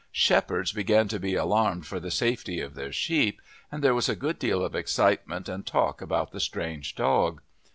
Shepherds began to be alarmed for the safety of their sheep, and there was a good deal of excitement and talk about the strange dog.